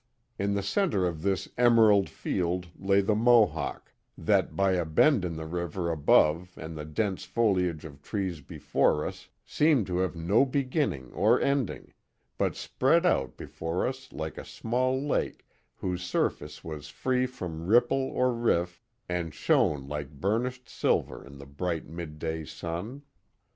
In the centre of this emerald field lay the Mohawk, that by a bend in the river above and the dense foliage of trees before us seemed to have no beginning or ending, but spread out before us like a small lake whose surface was free from ripple or rilT and shone like burnished silver in the bright midday sun.